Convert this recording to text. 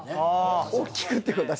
おっきくってことは。